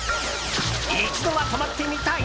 一度は泊まってみたい？